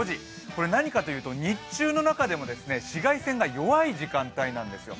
これ何かというと日中の中でも紫外線が弱い時間帯なんですよ。